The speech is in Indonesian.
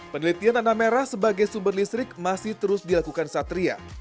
penelitian tanah merah sebagai sumber listrik masih terus dilakukan satria